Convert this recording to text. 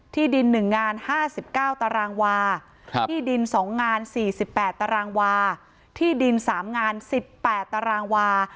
ที่ดิน๑งาน๕๙ตารางวาที่ดิน๒งาน๔๘ตารางวาที่ดิน๓งาน๑๘ตารางวา